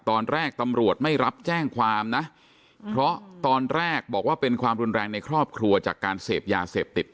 ตอนแรกตำรวจไม่รับแจ้งความนะเพราะตอนแรกบอกว่าเป็นความรุนแรงในครอบครัวจากการเสพยาเสพติด